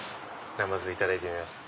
なまずいただいてみます